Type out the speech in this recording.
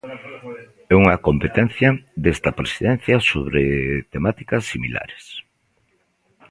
É unha competencia desta Presidencia sobre temáticas similares.